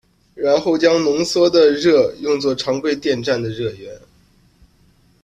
然后将浓缩的热用作常规电站的热源。